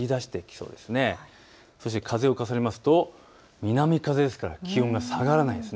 そして風を重ねますと南風ですから気温が下がらないんです。